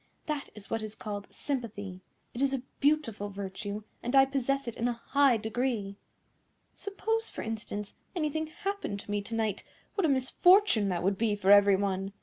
That is what is called sympathy. It is a beautiful virtue, and I possess it in a high degree. Suppose, for instance, anything happened to me to night, what a misfortune that would be for every one!